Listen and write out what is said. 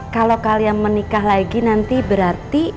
kalau kalian menikah lagi nanti berarti